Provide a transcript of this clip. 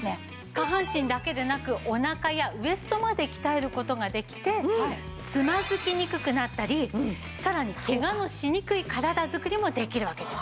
下半身だけでなくおなかやウエストまで鍛える事ができてつまずきにくくなったりさらにケガのしにくい体作りもできるわけです。